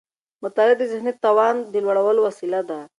مطالعه د ذهني توان د لوړولو وسيله ده.